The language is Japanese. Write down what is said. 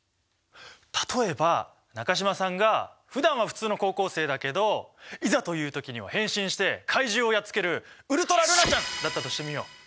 例えば中島さんがふだんは普通の高校生だけどいざという時には変身して怪獣をやっつけるウルトラ瑠菜ちゃんだったとしてみよう。